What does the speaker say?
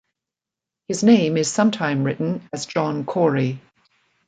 His name is sometime written as John Cory.